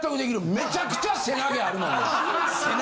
めちゃくちゃせな毛あるもんな。